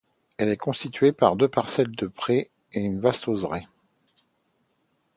Elle est constituée par deux parcelles de pré et une vaste oseraie.